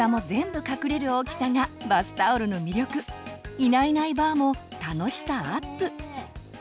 「いないいないばぁ」も楽しさアップ！